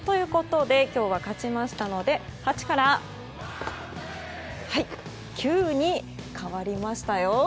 今日は勝ちましたので８から９に変わりましたよ。